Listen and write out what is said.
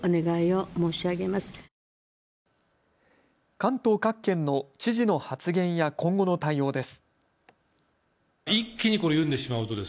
関東各県の知事の発言や今後の対応です。